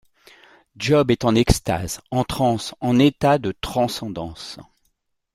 Job est en extase, en transe, en état de transcendance.